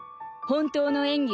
本当の演技。